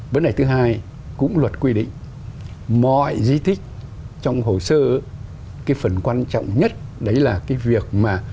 vấn đề thứ hai cũng luật quy định mọi di tích trong hồ sơ cái phần quan trọng nhất đấy là cái việc mà